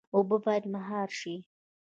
اوبه باید مهار شي